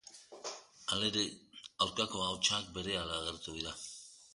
Halere, aurkako ahotsak berehala agertu dira.